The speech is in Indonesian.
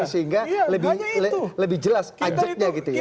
sehingga lebih jelas ajaknya gitu ya